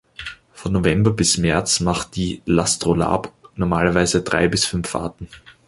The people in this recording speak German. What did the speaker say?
Von November bis März macht die "l’Astrolabe" normalerweise drei bis fünf Fahrten.